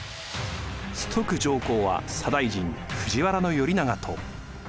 崇徳上皇は左大臣藤原頼長と。